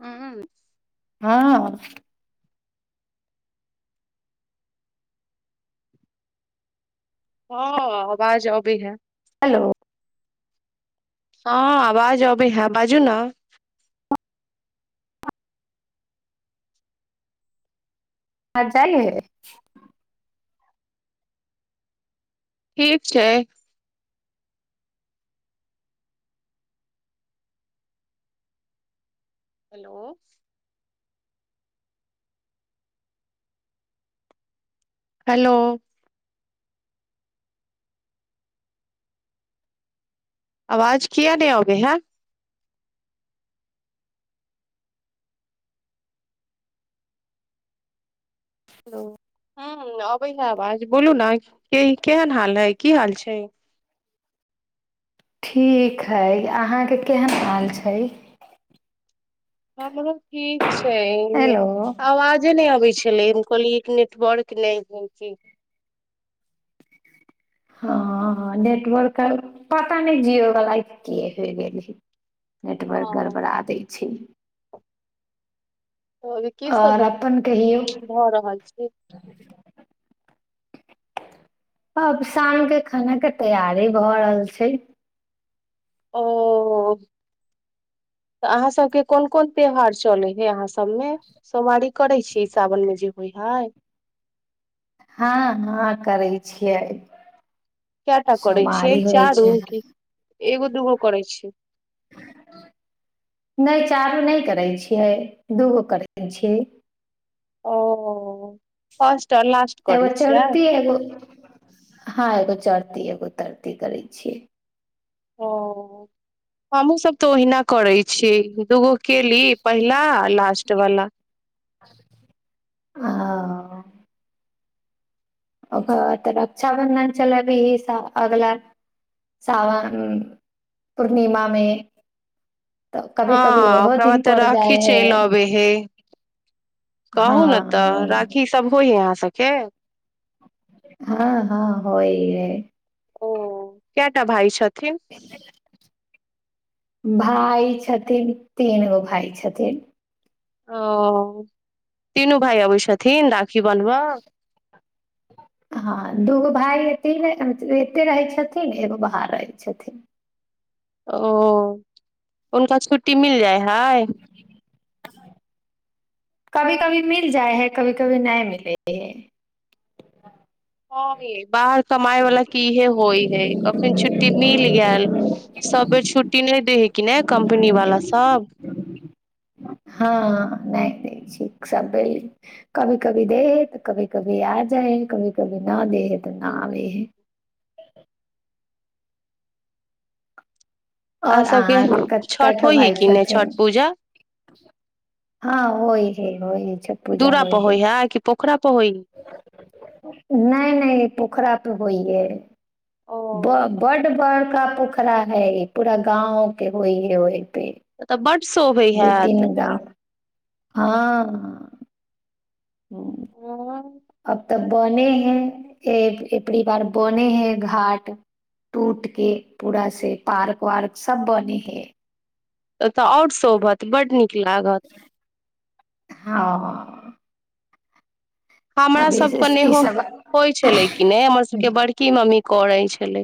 ह हँ हँ आवाज अ भी है हेलो हँ आवाज अबै हैं बाजू ने आ जाइ है ठीक छै हेलो हेलो आवाज किया न होबमे है हो ह अबै ह आवाज बोलू ने केहन हाल है की हाल छै। ठीक हइ अहाँके केहन हाल छै हँ मम ठीक छै हेलो आवाजे नहि अबै छल लैम कहली नेटवर्क नहि हो हँ नेटवर्क पता नहि जियोवला के होय गेल ही ओ नेटवर्क गड़बड़ा दै छै। तऽ अभी कीसभ आओर अपन कहियौ भऽ रहल छै अब शाम के खाना के तैयारी भऽ रहल छै। ओ अहाँ सबके कोन कोन त्यौहार चले हे अहाँ सभ तमे सोमाारिक करै छी सावन मे जे होइ हय हँ हँ करै छियै क टा करै छियै सोमवारी होइ चारू छै क एगो दूगो करै छियै। नहि चारू नहि करै छियै दूगो करै छियै ओ फर्स्ट आ लास्ट एगो करै छियै चढ़ती एगो हँ एगो चढ़ती एगो तरती करै छियै ओ हमू सभ तऽ ओहिना करै छी दूगो केली पहिला लास्ट वाला आ ओकर बाद तऽ रक्षाबन्धन चलै भी स अगला सावन पूर्णिमामे हँ ओकरा बाद तऽ जाइ राखी है चलि अबे हे हँ कहू ने तऽ हँ राखी सभ होय ह यहाँ सबके छै हँ हँ होइ कटा भाइ छथि भइ छथिन तीन गो भाय छथिन ओ तीनू भाइ अबै छथिन राख की बनब हँ दगो भाय एतेक एतेक रहै छथिन एगो बा रहै छथिन ओ उनका छुट्टी मिल जाए हाय कभी कभी मिल जाय है कभी कभी नहि मिलै है ह बाहर कमााय वाला के इहे होय है कखन छुट्टी मिल गेल सभ बेर छुट्टी नहि द कि नहि कम्पनी वाला सभ हँ नहि सब कभी कभी दे तऽ कभी कभी आ जाए कभी कभी न दे इतना भी आ ओर सबके अहाँके छठ कठ होइ हइ भइ कि नहि छथि छठ पूजा हँ हो है ह छठ पूजा दूरा हो पर ह होइ है कि पोखरा पर होइ है नहि नहि पोखरा तऽ होहिए ओ बड बड़ का पोखरा है ई पूरा गाम के होइ ह होइ ओ तऽ बड्ड शोभे हैत गाँव हँ [inaudible] ओ अब तऽ बने है एक एकरी बार बने है घाट टूट के पूरा से पार्क वार्क सब बने है तऽ आओर शोभत बड नीक लागत हँ हमरा अभी सबके ई नेहो सब होइत छलै की नै हमर सबके बड़की मम्मी करैत छै छलै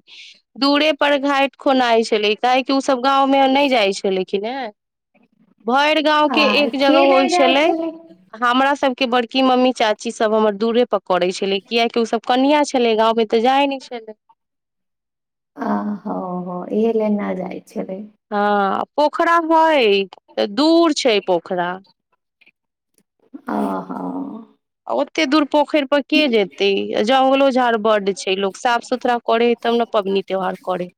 दूरे पर घाइट खोलाइ छलै काहै की उस सब गाँव मे नहि जाइ छले किनै ह भरि गाँंव के आ एक जगह होइ नहि जाइ छलै हमरा सबके बड़की मम्मी चा चाची सभ हमर दूरे पर करै छलै कियकि ओसभ कनिआ छलै गाँवमे तऽ जाइत नहि छलै आ हो हो इहे ना जायत हँ पोखरा हइ तऽ दूर छै पोखरा आ हँ आ ओते दूर पोखरि पर के जेतै जंगलो झाड़ बड्ड छै लोक साफ सुथरा करे ह तब ने पबनी त्योहार करै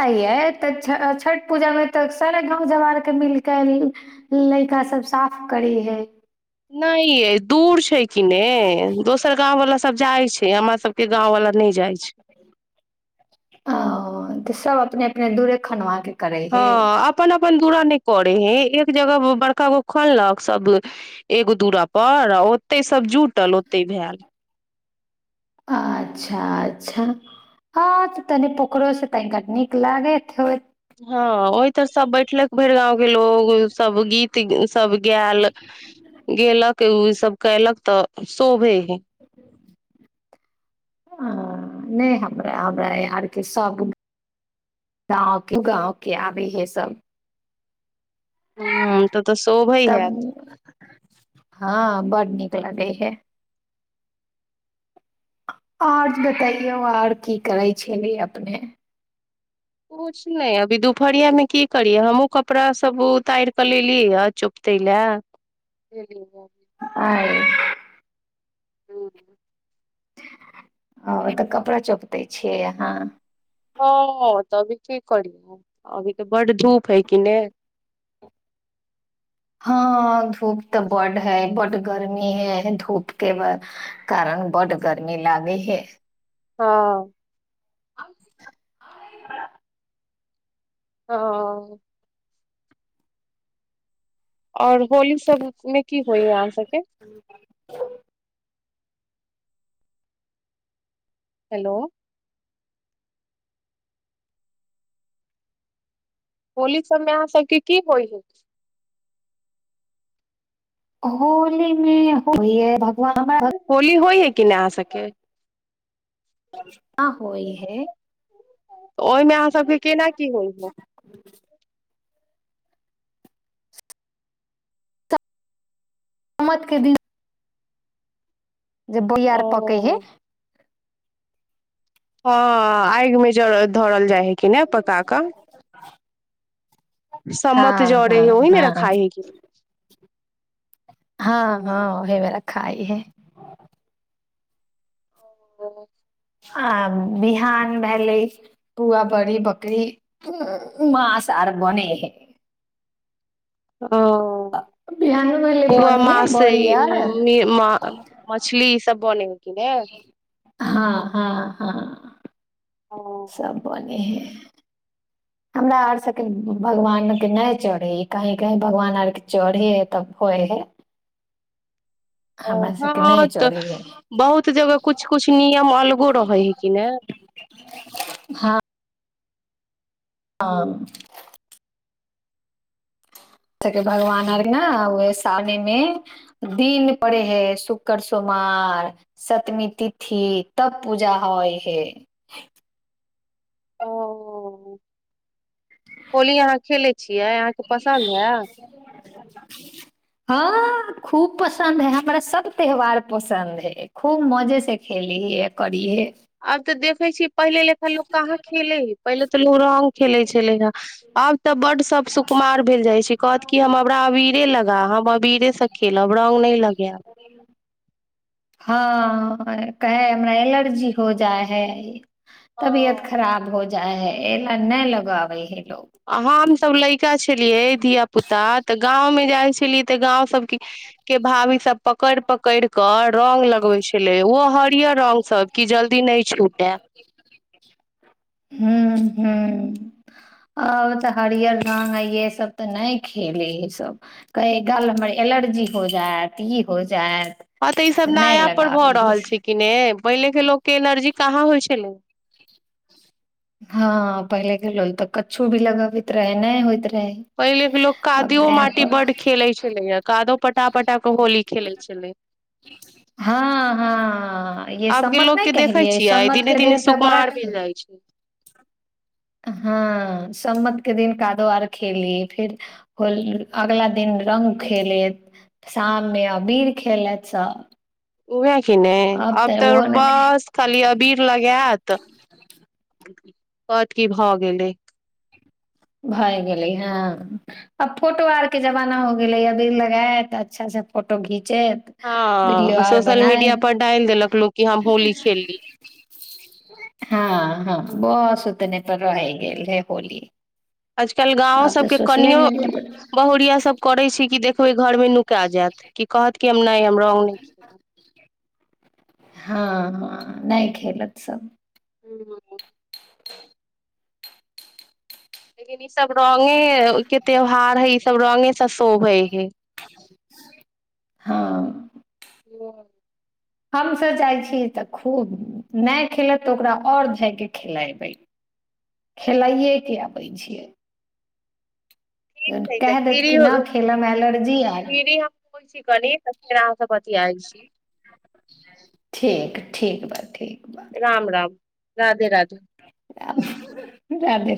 आ यै तऽ छ छठ पूजामे तऽ सारा गाँव जवार आरके मिलके लैइका सब साफ करै है नहि यै दूर छै किने दोसर गामवला सब तब जाइ छै हमर सबके गाँव वला नै जाय छै ओ तऽ सब अपने अपने दूरे खनवा के करै हँ हे। अपन अपन दूरा नहि करे हे एक जगह बड़का गो खोनलक सब एगो दूरा पर आ ओते सब जुटल ओते भेल अच्छा अच्छा हँ तनि पोखरो सँ तनि नीक लागैत होइत हँ ओहि तर सब बैठलक भरि गाँंव के लोग सब गीत सब गैल गेलक उ त केलक तँ शोभै है हँ नहि हमरा हमरा यहाँरके सभ गाँव के गाँव के आबै हइ सभ ह तऽ तऽ शोभे तब हैत हँ बड नीक लगै है आओज बतैयौ आओर की करै छेली अपने? किछ नहि अभी दुपहरियामे की करिय हमहुँ कपड़ा सब उतारि कऽ लेलिय ह चुपते लए। आय हूँ ओ तऽ कपड़ा चोपते छिये अहाँ हँ तऽ अभी की करिय अभी तऽ बड् धूप है कि ने हँ धूप तऽ बड्ड हइ बड्ड गर्मी हइ धूपके कारण बड्ड गर्मी लागै हइ हँ [unintelligible] ह आऔर होली सब मे की होइय अहाँ सबके? [unintelligible] हेलो होली सभमे अहाँ सभके की होइ हय? होली मे होय हय भ होली होइ हय कि नहि आहां सबके? [unintelligible] है ओहिमे अहाँ सभके केना की होइ हय? मत के दिन जे बोहियार पकै हय ओ हँ आइगमे जरल धरल जाइ हय। कि नय पका कऽ हँ सम्मत जरय हँ हय ओहिमें हँ रखाइ हय कि हँ हँ नय? ओहे बेरा खाइ है [unintelligible] आ विहान भेले पुआ बड़ी बकरी मास आर बनै हइ। ओ बिहान भेलै पुआ बने है मास बड़ी आर ई म मछली बनय हय कि ने? हँ हँ हँ ओ सब बनय हय। हमरा आर सभके भगवानके नहि चढ़ै ई कहीँ कहीँ भगवान आरके चढ़ै हइ तब होइ हइ। ओ हमरा सबके हँ नहि तऽ चढ़े हइ बहुत जगह कुछु किुछु नियम अलगो रहै हइ कि ने। हँ ह तेकर भगवान आर ने उह सामनेमे दिन पड़ै हइ शुक्र सोमार सतमी तिथि तब पूजा होइ हय। ओ होली अहाँ खेलै छियै अहाँके पसन्द हा? हँ खूब पसन्द हय हमरा सब त्यौहार पसन्द हय खूब मजे से खेलीहे करिहे। आब तऽ देखै छी पहिले लेखा लोक कहाँ खेलय हय पहिले तऽ लोक रंग खेलय छलै ह आब तऽ बड सब सुकुमार भेल जाइ छै कहत की हमरा अबीरे लगा हम अबीरेसँ खेलब रंग नहि लगायब हँ कहे हमरा एलर्जी हो जाइ हय। तबियत हँ खराब हो जा जाय हय एना नहि लगाबै हय लोको। हम सब लै चा छेलियै धिया पुता तऽ तऽ गांव में जाय छलियै तऽ गांव सब के भाभी सब पकड़ि पकड़ि कऽ रंग लगबे छले ओहो हरियर रंग सब की जल्दी न छूटे ह ह अ तऽ हरियर रंग यै सब तऽ नहि खेले सब कह गाल हमर एलर्जी हो जायत ई हो जायत हँ तऽ ई सभ नहि नया पर भऽ लगाबी हइ रहल छै कि ने पहिले के लोक के एलर्जी कहाँ होइ छलै हँ पहिले के लोक तऽ कुछो भी लगबैत रहे नहि होइत रहे पहिलेके लोक अब कादो नया माटी पर बड्ड खेलैत छलैए कादो पटा पटा कऽ होली खेलैत छलै हँ हँ ये आब के सम्मत नहि लोकके देखै कहलियै छियै सम्मत दिने के दिने दिन तऽ बड़ा सुकुमार खे भेल जाइत छै हँ सम्मतके दिन कादो आर खेलली फेर होल अगला दिन रंग खेलैत शाममे अबीर खेलत सभ उहै कि नहि आब तऽ ने बस खाली अबीर लगैत कहत की भऽ गेलै भए गेले हँ आ फोटो आर के जमाना हो गेले अभी लगाय तऽ अच्छा से फोटो घीच खिचैत विडियो हँ आर सोशल मीडिया पर बनैत डालि देलक लोक कि हम होली खेलली ह ह बस उतनै रहि गेल है होली आजकल गाँव आब तऽ सबके सोशले कनियो मीडिया पर बहुरिया सब करै छै कि देख ओहि घरमे नुका जैत कि कहत कि हम नहि हम हम रंग नहि हँ हँ नहि खेलत सब ह ह [unintelligible] [unintelligible] सब रंगे के त्यौहार है ई सब रंगे से शोभै है हँ [unintelligible] हमसभ जाइ छी तऽ खूब नहि खेलत तऽ ओकरा आओर जाए कऽ खेलयबै खेलाइके आबै छियै ठीक जहन छै तऽ कहि देत फ्री कि नहि खेलयमे एलर्जी आयल फ्री हम होइ छी कनि तऽ फेर अहाँ से बतियाय छी [unintelligible] ठीक ठीक बा ठीक बा राम राम राधे राधे राधे राधे